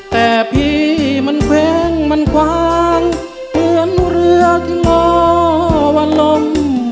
แต่พี่มันเว้งมันคว้างเหมือนเรือที่ง่อวันลม